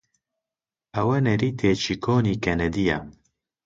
ئەوە نەریتێکی کۆنی کەنەدییە.